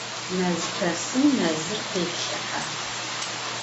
Mezpesım mezır khêplhıhe.